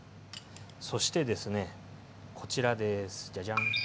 そしてですねこちらですジャジャン！